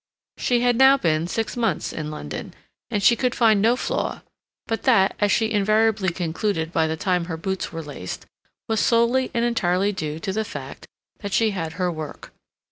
She had now been six months in London, and she could find no flaw, but that, as she invariably concluded by the time her boots were laced, was solely and entirely due to the fact that she had her work.